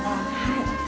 はい。